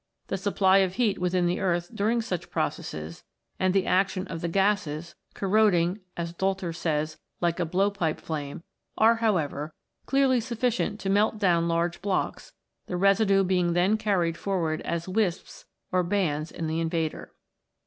The supply of heat within the earth during such processes, and the action of the gases, corroding, as Doelter says, "like a blowpipe flame/' are, however, clearly sufficient to melt down large blocks, the residue being then carried forward as wisps or bands in the invader.